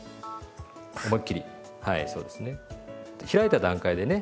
開いた段階でね